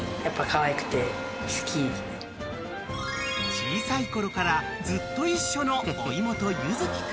［小さいころからずっと一緒のおいもと優月君］